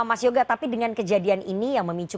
mas yoga tapi dengan kejadian ini yang memicu